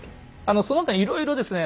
その他いろいろですね